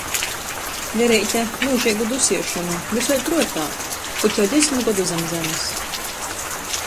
Vereite, myužeigu dusiešonu, vys vēļ pruotā, koč jau desmit godu zam zemis.